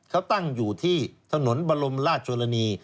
เขาตั้งอยู่ที่ถนนบรมราชชนนี